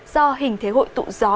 do hình thế hội tụ gió